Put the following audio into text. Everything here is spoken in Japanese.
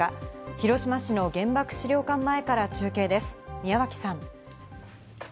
広島市の原爆資料館前から中継です、宮脇さん。